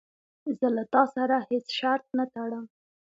زه له تا سره هیڅ شرط نه ټړم.